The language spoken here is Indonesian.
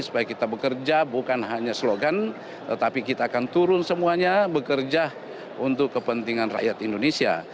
supaya kita bekerja bukan hanya slogan tetapi kita akan turun semuanya bekerja untuk kepentingan rakyat indonesia